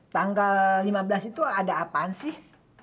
tanggal lima belas itu ada apaan sih